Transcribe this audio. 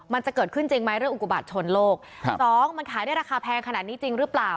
มันจะเกิดขึ้นจริงไหมเรื่องอุกบาทชนโลกครับสองมันขายได้ราคาแพงขนาดนี้จริงหรือเปล่า